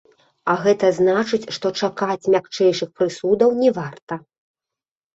А гэта значыць, што чакаць мякчэйшых прысудаў не варта.